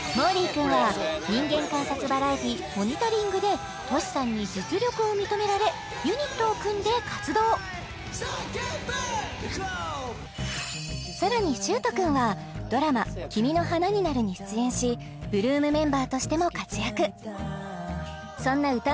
君はニンゲン観察バラエティ「モニタリング」でＴｏｓｈｌさんに実力を認められユニットを組んで活動さらにしゅーと君はドラマ「君の花になる」に出演し８ＬＯＯＭメンバーとしても活躍そんな歌